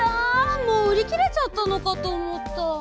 もううりきれちゃったのかとおもった。